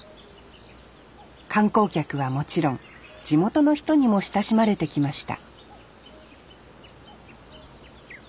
観光客はもちろん地元の人にも親しまれてきました